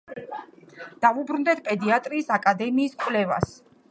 დავუბრუნდეთ პედიატრიის აკადემიის კვლევას.